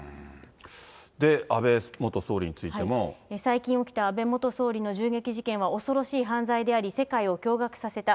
で、安倍元総理についても。最近起きた安倍元総理の銃撃事件は恐ろしい犯罪であり、世界を驚がくさせた。